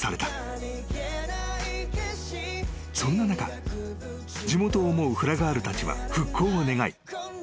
［そんな中地元を思うフラガールたちは復興を願い